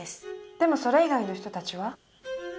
でもそれ以外の人たちは？